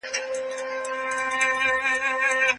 یو خوراک ټولو ته مناسب نه وي.